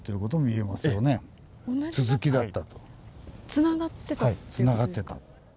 つながってた。